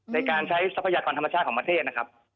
ในการใช้ทรัพยากรธรรมชาติของประเทศนะครับ